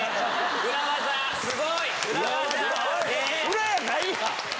裏やないやん！